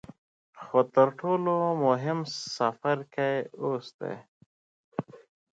خو تر ټولو مهم څپرکی اوس دی.